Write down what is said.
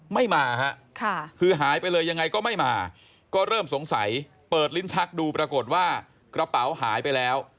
ไม่มาฮะคือหายไปเลยยังไงก็ไม่มาก็เริ่มสงสัยเปิดลิ้นชักดูปรากฏว่ากระเป๋าหายไปแล้ว